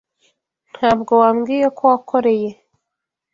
Ntabwo wambwiye ko wakoreye .